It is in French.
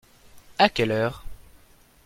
À quelle heure ?